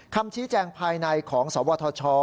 คำชี้แจงภายในของสวทช